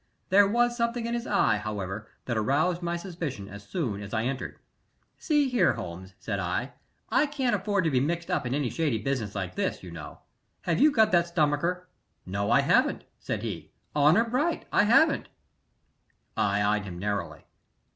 There was something in his eye, however, that aroused my suspicion as soon as I entered. "See here, Holmes," said I. "I can't afford to be mixed up in any shady business like this, you know. Have you got that stomacher?" "No, I haven't," said he. "Honor bright I haven't." I eyed him narrowly.